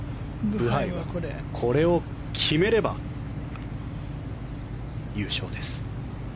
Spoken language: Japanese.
ブハイはこれを決めれば優勝です。